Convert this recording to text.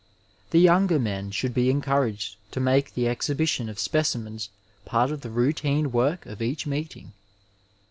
The younger men should be encouraged to make the exhibition of specimens part of the routine work of each meeting.